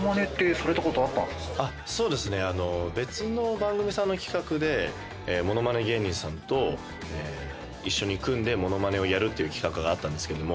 そうですね別の番組さんの企画でものまね芸人さんと一緒に組んでものまねをやるっていう企画があったんですけども。